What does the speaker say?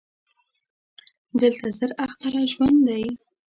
دلته زر اختره ژوند دی